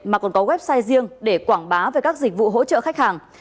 mà còn có website riêng để quảng bá về các dịch vụ hỗ trợ khách hàng